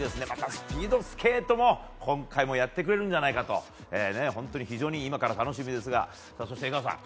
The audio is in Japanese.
スピードスケートも今回もやってくれるんじゃないかと本当に非常に今から楽しみですが江川さん